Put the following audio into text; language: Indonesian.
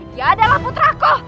dia adalah putrakku